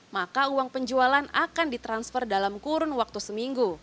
maka uang penjualan akan ditransfer dalam kurun waktu seminggu